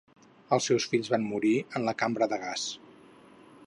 Els seus fills van morir en la cambra de gas.